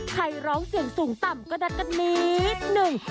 ใครร้องเสียงสูงต่ำก็นัดกันนิดนึง